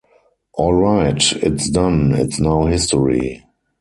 Alright! It’s done! It’s now history.